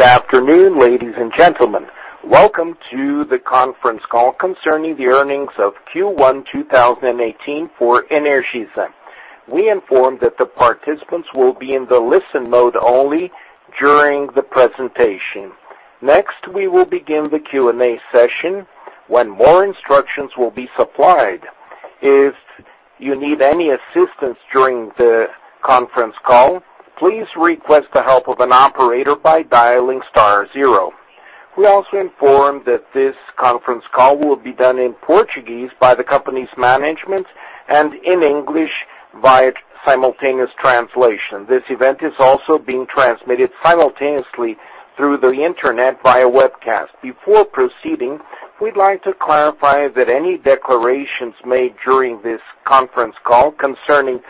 Good afternoon, ladies and gentlemen. Welcome to the conference call concerning the earnings of Q1 2018 for Energisa. We inform that the participants will be in the listen mode only during the presentation. Next, we will begin the Q&A session when more instructions will be supplied. If you need any assistance during the conference call, please request the help of an operator by dialing star zero. We also inform that this conference call will be done in Portuguese by the company's management and in English via simultaneous translation. This event is also being transmitted simultaneously through the internet via webcast. Before proceeding, we'd like to clarify that any declarations made during this conference call concerning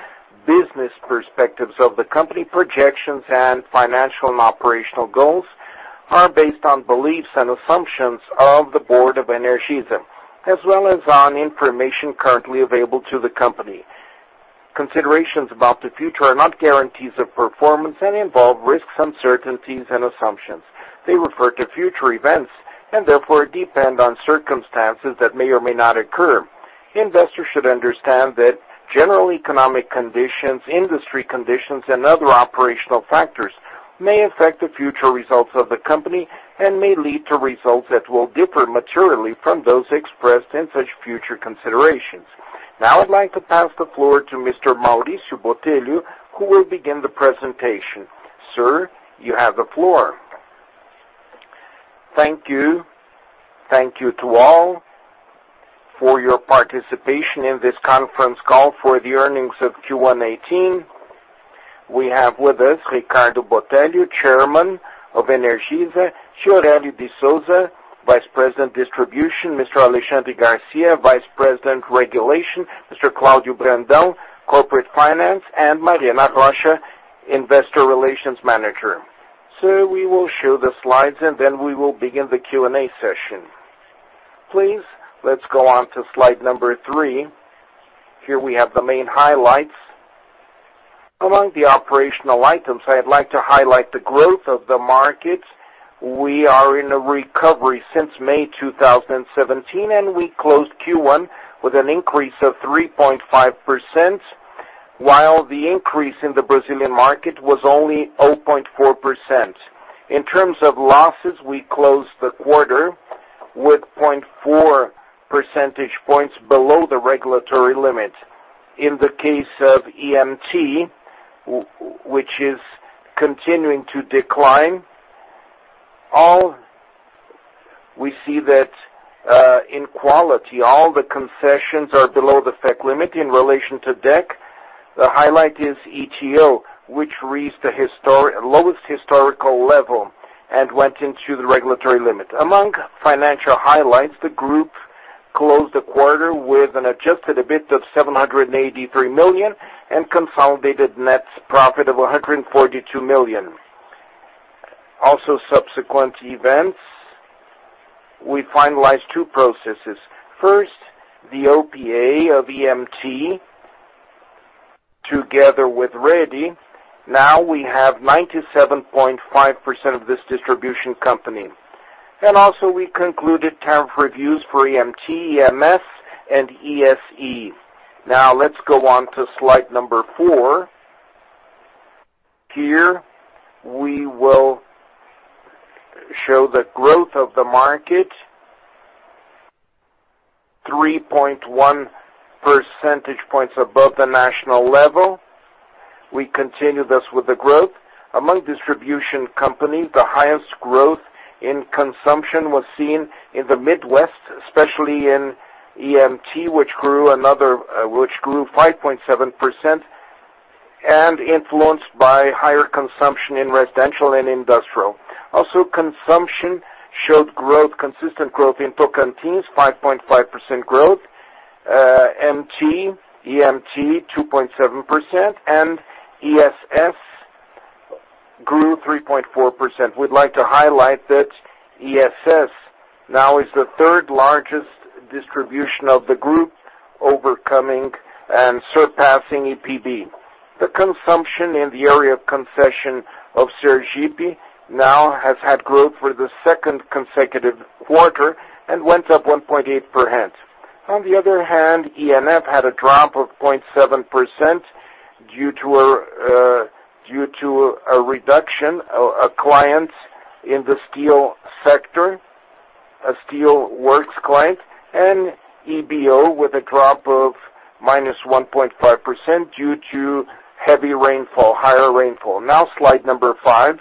business perspectives of the company, projections, and financial and operational goals are based on beliefs and assumptions of the board of Energisa, as well as on information currently available to the company. Considerations about the future are not guarantees of performance and involve risks, uncertainties, and assumptions. They refer to future events, and therefore depend on circumstances that may or may not occur. Investors should understand that general economic conditions, industry conditions, and other operational factors may affect the future results of the company and may lead to results that will differ materially from those expressed in such future considerations. I'd like to pass the floor to Mr. Maurício Botelho, who will begin the presentation. Sir, you have the floor. Thank you. Thank you to all for your participation in this conference call for the earnings of Q1 2018. We have with us Ricardo Botelho, Chairman of Energisa, Fiorêncio de Souza, Vice President, Distribution, Mr. Alexandre Nardi, Vice President, Regulation, Mr. Cláudio Brandão, Corporate Finance, and Mariana Rocha, Investor Relations Manager. We will show the slides, and then we will begin the Q&A session. Please, let's go on to slide number three. Here we have the main highlights. Among the operational items, I'd like to highlight the growth of the market. We are in a recovery since May 2017, and we closed Q1 with an increase of 3.5%, while the increase in the Brazilian market was only 0.4%. In terms of losses, we closed the quarter with 0.4 percentage points below the regulatory limit. In the case of EMT, which is continuing to decline, we see that in quality, all the concessions are below the FEC limit in relation to DEC. The highlight is ETO, which reached the lowest historical level and went into the regulatory limit. Among financial highlights, the group closed the quarter with an adjusted EBIT of 783 million and consolidated net profit of 142 million. Subsequent events, we finalized two processes. First, the OPA of EMT together with Rede. We have 97.5% of this distribution company. We concluded tariff reviews for EMT, EMS, and ESE. Let's go on to slide number four. Here we will show the growth of the market, 3.1 percentage points above the national level. We continued this with the growth. Among distribution companies, the highest growth in consumption was seen in the Midwest, especially in EMT, which grew 5.7% and influenced by higher consumption in residential and industrial. Consumption showed consistent growth in Tocantins, 5.5% growth. MT, EMT, 2.7%, and ESE grew 3.4%. We'd like to highlight that ESE now is the third largest distribution of the group, overcoming and surpassing Energisa Paraíba. The consumption in the area of concession of Sergipe now has had growth for the second consecutive quarter and went up 1.8%. On the other hand, ENF had a drop of 0.7% due to a reduction of clients in the steel sector, a steel works client, and EBO with a drop of -1.5% due to heavy rainfall, higher rainfall. Now slide number 5.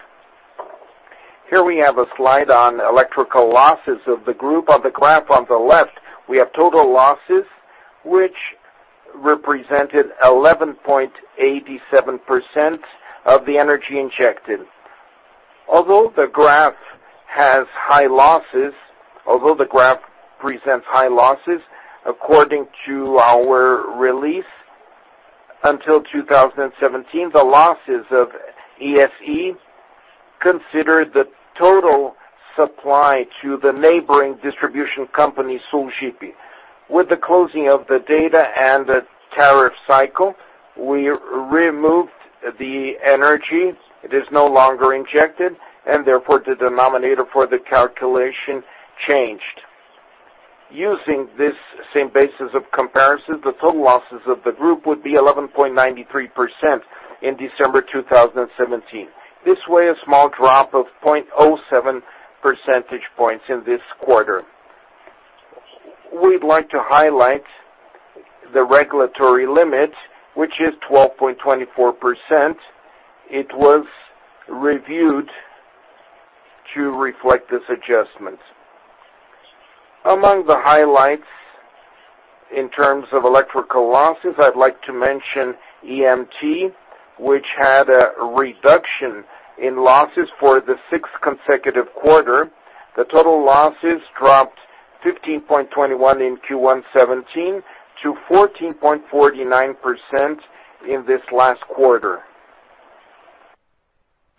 Here we have a slide on electrical losses of the group. On the graph on the left, we have total losses, which represented 11.87% of the energy injected. Although the graph presents high losses, according to our release, until 2017, the losses of ESE considered the total supply to the neighboring distribution company, Sulgipe. With the closing of the data and the tariff cycle, we removed the energy. It is no longer injected, and therefore, the denominator for the calculation changed. Using this same basis of comparison, the total losses of the group would be 11.93% in December 2017. This way, a small drop of 0.07 percentage points in this quarter. We'd like to highlight the regulatory limit, which is 12.24%. It was reviewed to reflect this adjustment. Among the highlights in terms of electrical losses, I'd like to mention EMT, which had a reduction in losses for the sixth consecutive quarter. The total losses dropped 15.21% in Q1 2017 to 14.49% in this last quarter.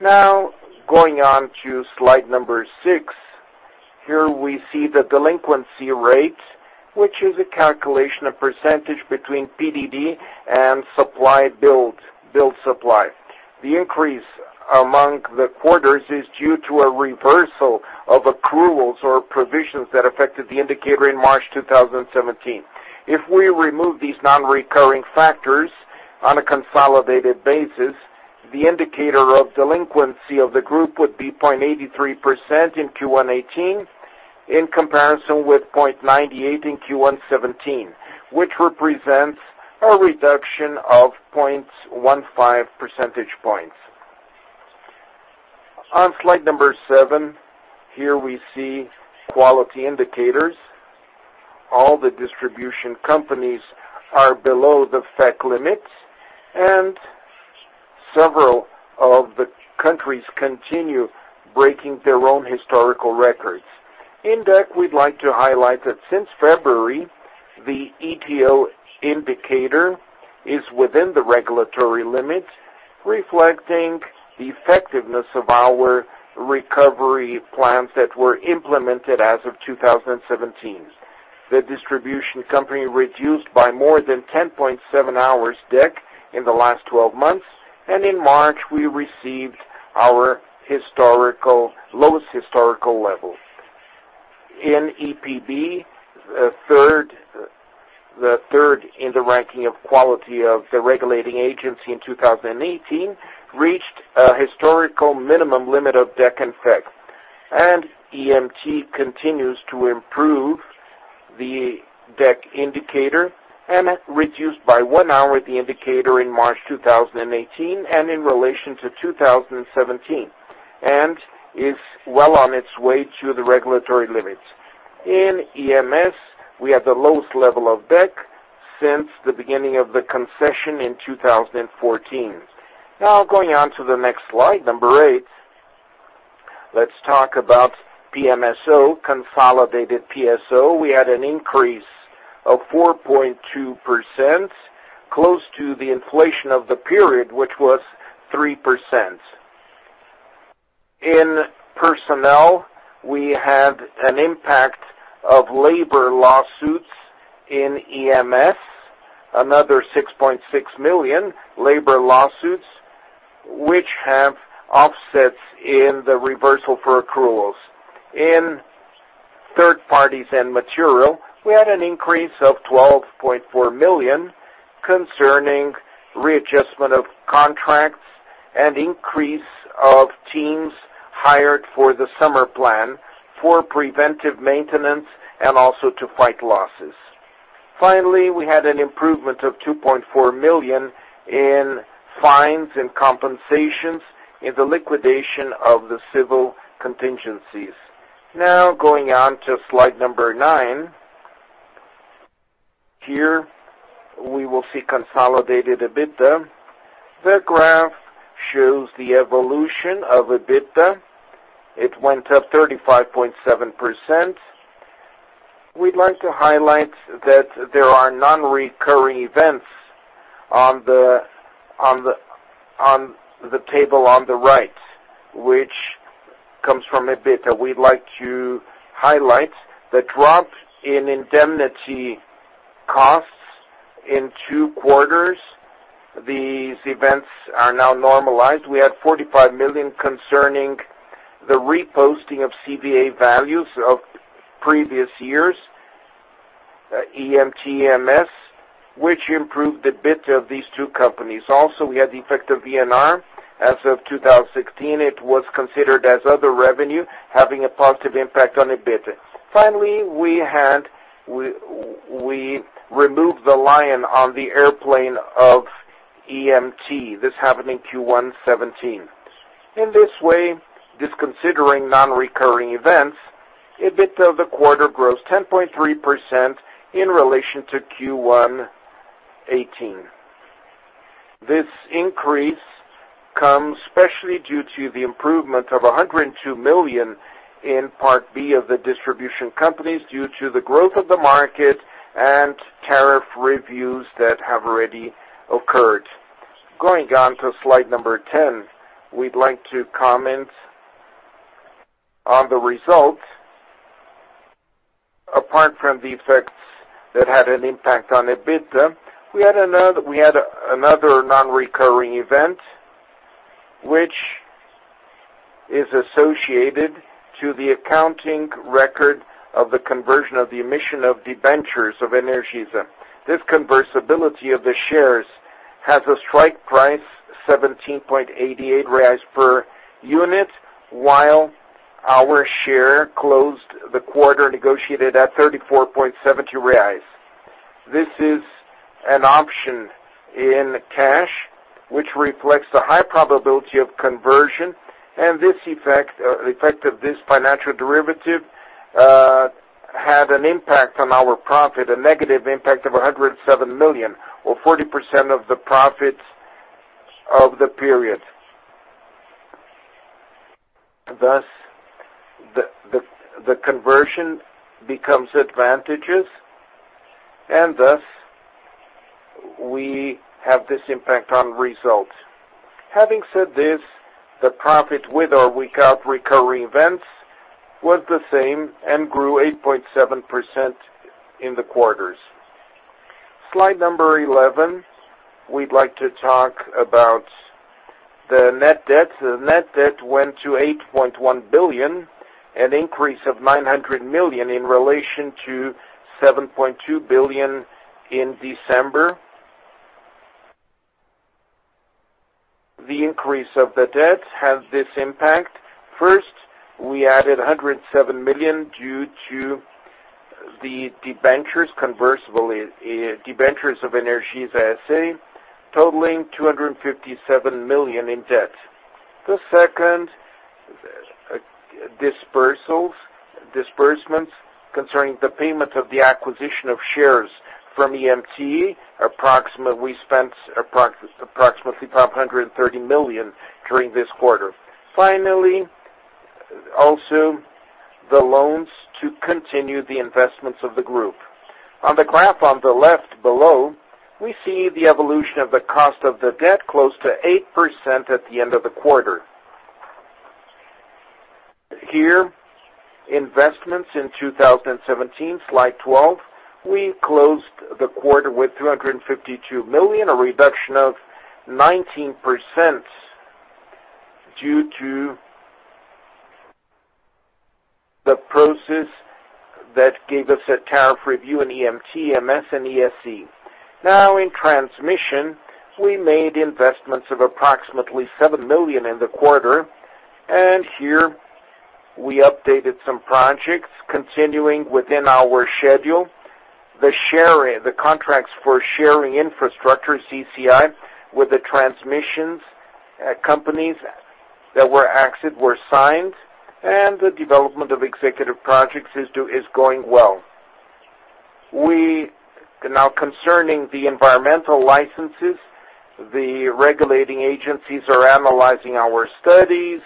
Now, going on to slide number 6. Here we see the delinquency rate, which is a calculation of percentage between PDD and billed supply. The increase among the quarters is due to a reversal of accruals or provisions that affected the indicator in March 2017. If we remove these non-recurring factors on a consolidated basis, the indicator of delinquency of the group would be 0.83% in Q1 2018, in comparison with 0.98% in Q1 2017, which represents a reduction of 0.15 percentage points. On slide number 7, here we see quality indicators. All the distribution companies are below the FEC limits, and several of the countries continue breaking their own historical records. In DEC, we'd like to highlight that since February, the ETO indicator is within the regulatory limit, reflecting the effectiveness of our recovery plans that were implemented as of 2017. The distribution company reduced by more than 10.7 hours DEC in the last 12 months, and in March, we received our lowest historical level. In EPB, the third in the ranking of quality of the regulating agency in 2018, reached a historical minimum limit of DEC and FEC. And EMT continues to improve the DEC indicator and reduced by one hour the indicator in March 2018 and in relation to 2017. And is well on its way to the regulatory limits. In EMS, we have the lowest level of DEC since the beginning of the concession in 2014. Now, going on to the next slide number 8. Let's talk about PMSO, consolidated PMSO. We had an increase of 4.2%, close to the inflation of the period, which was 3%. In personnel, we had an impact of labor lawsuits in EMS, another 6.6 million labor lawsuits, which have offsets in the reversal for accruals. In third parties and material, we had an increase of 12.4 million concerning readjustment of contracts and increase of teams hired for the summer plan for preventive maintenance and also to fight losses. Finally, we had an improvement of 2.4 million in fines and compensations in the liquidation of the civil contingencies. Now, going on to slide number 9. Here, we will see consolidated EBITDA. The graph shows the evolution of EBITDA. It went up 35.7%. We'd like to highlight that there are non-recurring events on the table on the right, which comes from EBITDA. We'd like to highlight the drop in indemnity costs in two quarters. These events are now normalized. We had 45 million concerning the reposting of CVA values of previous years, EMT, EMS, which improved the EBITDA of these two companies. Also, we had the effect of VNR. As of 2016, it was considered as other revenue, having a positive impact on EBITDA. Finally, we removed the auction of the airplane of EMT. This happened in Q1 2017. In this way, disconsidering non-recurring events, EBITDA of the quarter grows 10.3% in relation to Q1 2018. This increase comes especially due to the improvement of 102 million in Parcela B of the distribution companies due to the growth of the market and tariff reviews that have already occurred. Going on to slide 10, we'd like to comment on the result, apart from the effects that had an impact on EBITDA, we had another non-recurring event, which is associated to the accounting record of the conversion of the emission of debentures of Energisa. This convertibility of the shares has a strike price 17.88 reais per unit, while our share closed the quarter negotiated at 34.72 reais. This is an option in cash, which reflects the high probability of conversion, and the effect of this financial derivative had an impact on our profit, a negative impact of 107 million, or 40% of the profits of the period. Thus, the conversion becomes advantageous, and thus we have this impact on results. Having said this, the profit with or without recurring events was the same and grew 8.7% in the quarters. Slide 11, we'd like to talk about the net debt. The net debt went to 8.1 billion, an increase of 900 million in relation to 7.2 billion in December. The increase of the debt has this impact. First, we added 107 million due to the debentures, convertible debentures of Energisa S.A., totaling 257 million in debt. The second, disbursements concerning the payment of the acquisition of shares from EMT. We spent approximately 530 million during this quarter. Finally, also, the loans to continue the investments of the group. On the graph on the left below, we see the evolution of the cost of the debt close to 8% at the end of the quarter. Here, investments in 2017, slide 12. We closed the quarter with 352 million, a reduction of 19% due to the process that gave us a tariff review in EMT, EMS, and ESE. Now in transmission, we made investments of approximately 7 million in the quarter, and here we updated some projects continuing within our schedule. The contracts for sharing infrastructure, CCI, with the transmissions companies that were signed, and the development of executive projects is going well. Now concerning the environmental licenses, the regulating agencies are analyzing our studies.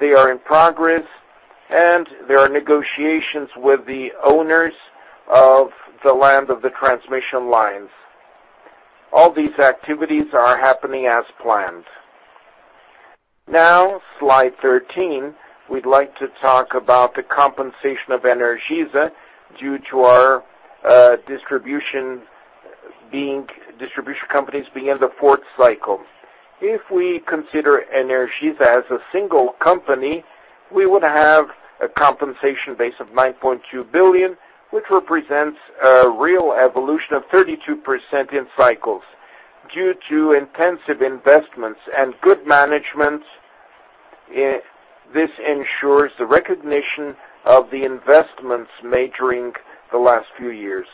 They are in progress, and there are negotiations with the owners of the land of the transmission lines. All these activities are happening as planned. Now, slide 13, we'd like to talk about the compensation of Energisa due to our distribution companies being in the fourth cycle. If we consider Energisa as a single company, we would have a compensation base of 9.2 billion, which represents a real evolution of 32% in cycles. Due to intensive investments and good management, this ensures the recognition of the investments made during the last few years.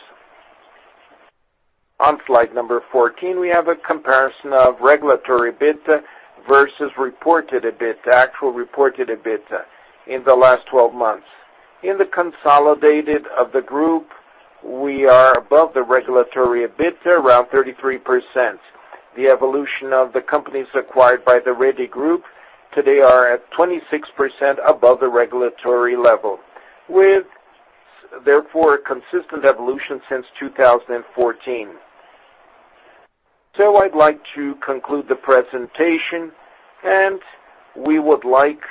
On slide number 14, we have a comparison of regulatory EBITDA versus reported EBITDA, actual reported EBITDA in the last 12 months. In the consolidated of the group, we are above the regulatory EBITDA, around 33%. The evolution of the companies acquired by the Rede Group today are at 26% above the regulatory level, with therefore a consistent evolution since 2014. I'd like to conclude the presentation. We would like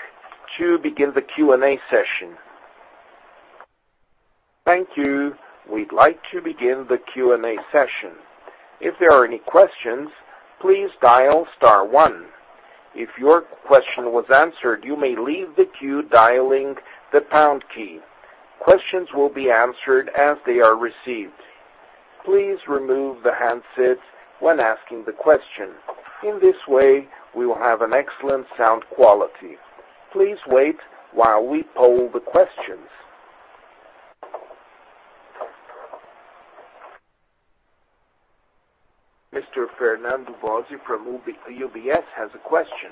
to begin the Q&A session. Thank you. We'd like to begin the Q&A session. If there are any questions, please dial star one. If your question was answered, you may leave the queue dialing the pound key. Questions will be answered as they are received. Please remove the handsets when asking the question. In this way, we will have an excellent sound quality. Please wait while we poll the questions. Mr. Fernando Boni from UBS has a question.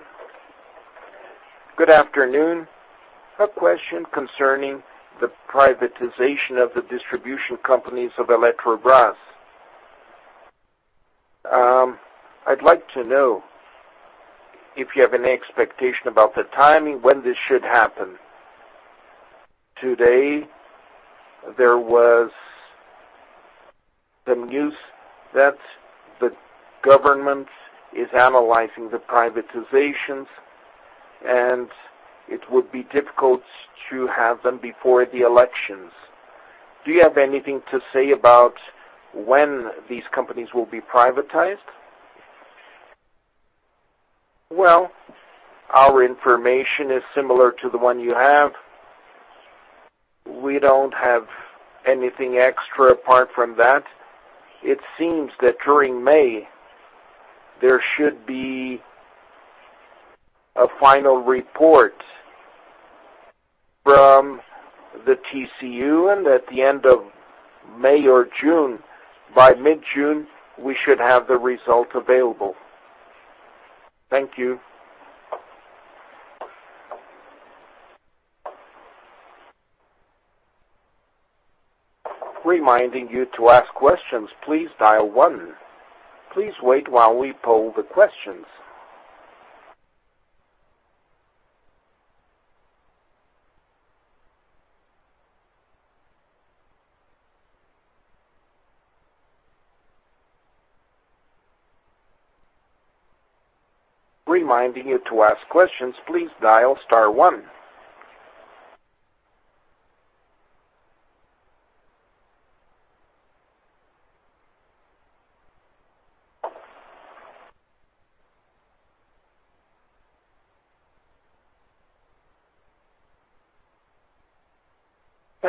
Good afternoon. A question concerning the privatization of the distribution companies of Eletrobras. I'd like to know if you have any expectation about the timing when this should happen. Today, the news that the government is analyzing the privatizations, and it would be difficult to have them before the elections. Do you have anything to say about when these companies will be privatized? Well, our information is similar to the one you have. We don't have anything extra apart from that. It seems that during May, there should be a final report from the TCU, and at the end of May or June, by mid-June, we should have the result available. Thank you. Reminding you to ask questions, please dial one. Please wait while we poll the questions. Reminding you to ask questions, please dial star one.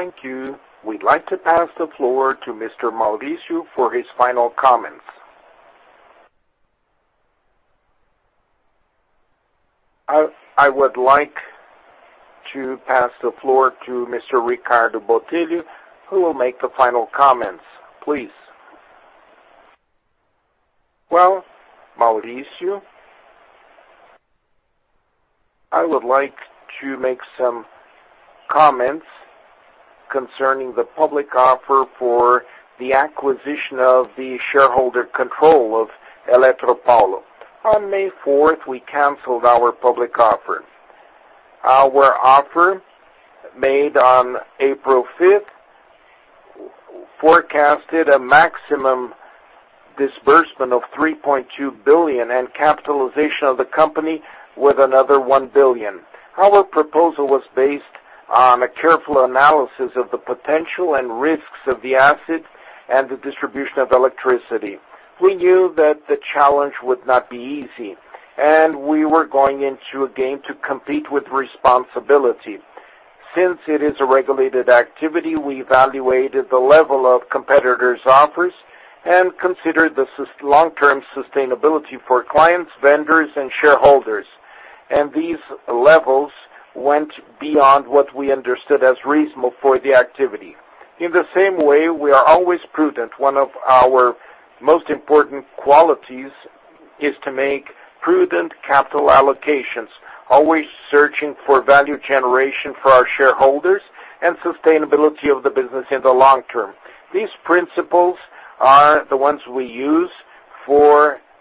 Thank you. We'd like to pass the floor to Mr. Maurício for his final comments. I would like to pass the floor to Mr. Ricardo Botelho, who will make the final comments. Please. Well, Maurício. I would like to make some comments concerning the public offer for the acquisition of the shareholder control of Eletropaulo. On May 4th, we canceled our public offer. Our offer, made on April 5th, forecasted a maximum disbursement of 3.2 billion and capitalization of the company with another 1 billion. Our proposal was based on a careful analysis of the potential and risks of the asset and the distribution of electricity. We knew that the challenge would not be easy. We were going into a game to compete with responsibility. Since it is a regulated activity, we evaluated the level of competitors' offers and considered the long-term sustainability for clients, vendors, and shareholders. These levels went beyond what we understood as reasonable for the activity. In the same way, we are always prudent. One of our most important qualities is to make prudent capital allocations, always searching for value generation for our shareholders, and sustainability of the business in the long term. These principles are the ones we use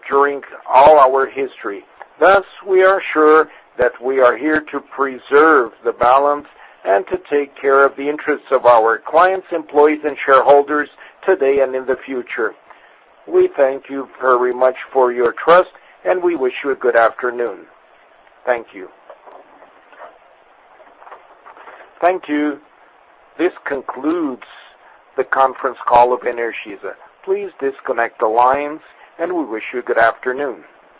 during all our history. Thus, we are sure that we are here to preserve the balance and to take care of the interests of our clients, employees, and shareholders today and in the future. We thank you very much for your trust. We wish you a good afternoon. Thank you. Thank you. This concludes the conference call of Energisa. Please disconnect the lines. We wish you a good afternoon.